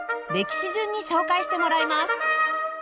歴史順に紹介してもらいます